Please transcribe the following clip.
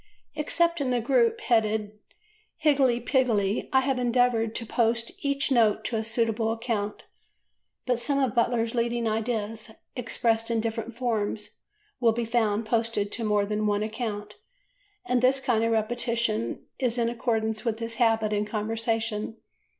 Except in the group headed "Higgledy Piggledy," I have endeavoured to post each note to a suitable account, but some of Butler's leading ideas, expressed in different forms, will be found posted to more than one account, and this kind of repetition is in accordance with his habit in conversation.